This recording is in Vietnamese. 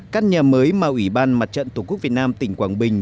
căn nhà mới mà ủy ban mặt trận tổ quốc việt nam tỉnh quảng bình